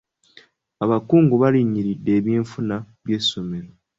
Abakungu balinyiridde eby'enfuna by'essomero.